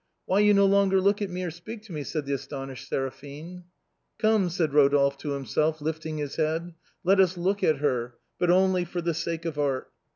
" Why you no longer look at me or speak to me !" said the astonished Seraphine. " Come," said Eodolphe to himself, lifting his head ;" let us look at her, but only for the sake of art."